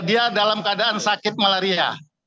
dia dalam keadaan sakit malaria